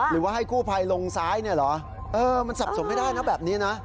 หรือว่าให้กู้ภัยลงซ้ายเนี่ยเหรอเออมันสับสนไม่ได้นะแบบนี้นะ